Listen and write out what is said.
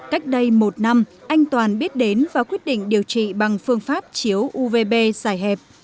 cách đây một năm anh toàn biết đến và quyết định điều trị bằng phương pháp chiếu uvb giải hẹp